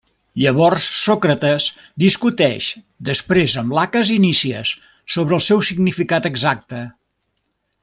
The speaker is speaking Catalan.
Llavors, Sòcrates discuteix després amb Laques i Nícies sobre el seu significat exacte.